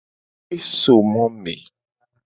E so mo me.